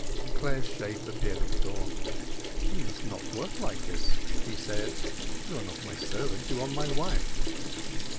Clare's shape appeared at the door. "You must not work like this," he said. "You are not my servant; you are my wife."